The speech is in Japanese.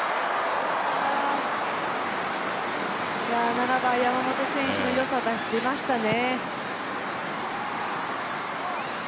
７番・山本選手の良さが出ましたね。